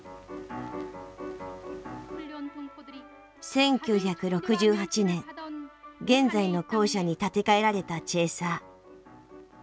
１９６８年現在の校舎に建て替えられたチェーサー。